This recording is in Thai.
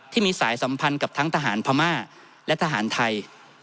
ที่มีสายสัมพันธ์กับทั้งทหารพม่าและทหารไทย